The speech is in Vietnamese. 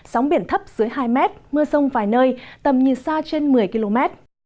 sóng biển thấp dưới hai mét mưa sông vài nơi tầm nhìn xa trên một mươi km